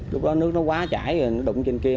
lúc đó nước nó quá chảy rồi nó đụng trên kia